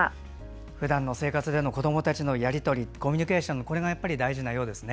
ふだんの生活での子どもたちのやり取りコミュニケーションが大事なようですね。